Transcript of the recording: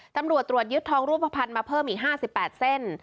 ตำรวจตรวจยึดทองรูปภัณฑ์มาเพิ่มอีก๕๘เส้น